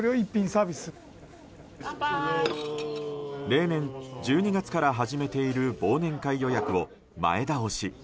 例年１２月から始めている忘年会予約を前倒し。